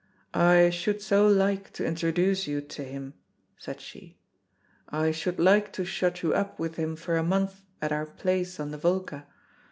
"I should so like to introduce you to him," said she. "I should like to shut you up with him for a month at our place on the Volga.